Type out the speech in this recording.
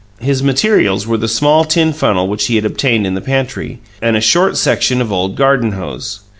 His materials were the small tin funnel which he had obtained in the pantry, and a short section of old garden hose.